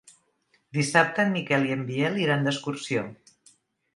Dissabte en Miquel i en Biel iran d'excursió.